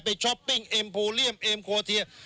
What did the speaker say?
ช้อปปิ้งเอ็มโพเลียมเอ็มโคเทีย